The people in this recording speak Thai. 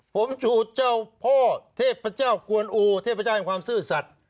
ผมฉูดเจ้าพ่อเทพเจ้ากวนอูเทพเจ้าของความซื่อสัตว์